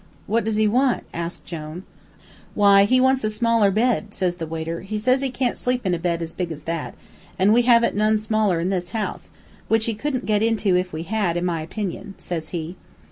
"'What does he want?' asks Jone. "'Why, he wants a smaller bed,' says the waiter. 'He says he can't sleep in a bed as big as that, an' we haven't none smaller in this house, which he couldn't get into if we had, in my opinion,' says he.